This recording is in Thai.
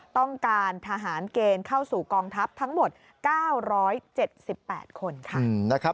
ต้องการทหารเกณฑ์เข้าสู่กองทัพทั้งหมด๙๗๘คนค่ะ